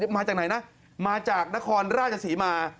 มาจากไหนนะมาจากนครราชศรีมา